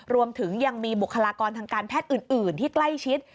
รวมถึงยังมีบุคลากรทางการแพทย์อื่นที่ใกล้ชิด